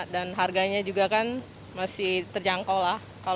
dan harganya juga kan masih terjangkau lah